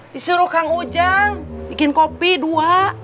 disuruh kang ujang bikin kopi dua